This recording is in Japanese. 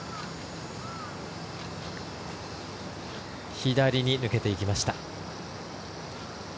左に抜けていきました。